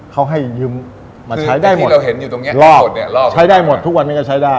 เค้าให้ยืมมาใช้ได้หมดใช้ได้หมดทุกวันนั้นก็ใช้ได้